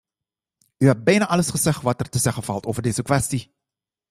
U hebt bijna alles gezegd wat er te zeggen valt over deze kwestie.